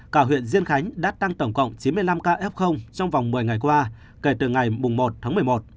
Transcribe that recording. cả huyện diên khánh đã tăng tổng cộng chín mươi năm ca f trong vòng một mươi ngày qua kể từ ngày một tháng một mươi một